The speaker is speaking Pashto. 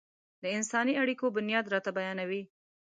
د انساني اړيکو بنياد راته بيانوي.